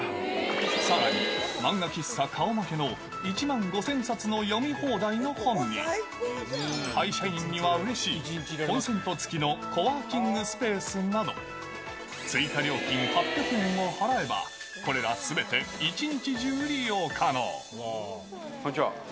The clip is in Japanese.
さらに漫画喫茶顔負けの１万５０００冊の読み放題の本に、会社員にはうれしい、コンセント付きのコワーキングスペースなど、追加料金８００円を払えば、こんにちは。